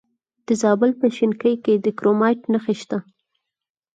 د زابل په شینکۍ کې د کرومایټ نښې شته.